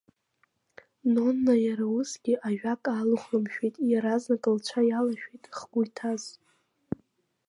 Нонна иара усгьы ажәак аалыхәлымшәеит, иаразнак лцәа иалашәеит хгәы иҭаз.